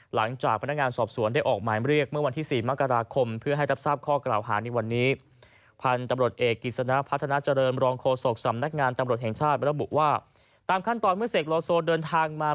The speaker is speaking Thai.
หลังจากพนักงานสอบสวนได้ออกหมายเรียกเมื่อวันที่๔มักราคม